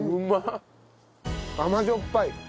甘じょっぱい。